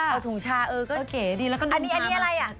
เอาถุงชาอันนี้อะไรอ่ะ